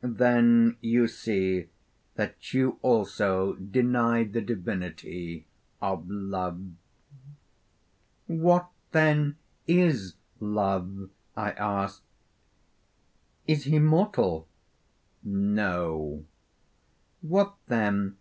'Then you see that you also deny the divinity of Love.' 'What then is Love?' I asked; 'Is he mortal?' 'No.' 'What then?'